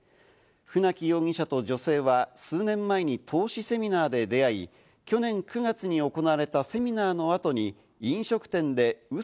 船木容疑者と女性は数年前に投資セミナーで出会い、去年９月に行われたセミナーの後に飲食店でう